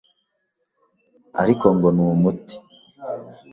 ariko ngo ni umuti